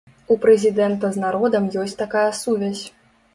У прэзідэнта з народам ёсць такая сувязь.